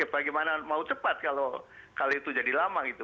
bagaimana mau cepat kalau kali itu jadi lama gitu